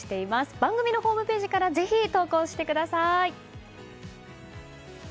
番組のホームページからぜひ投稿してください。